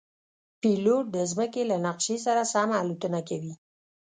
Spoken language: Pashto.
پیلوټ د مځکې له نقشې سره سم الوتنه کوي.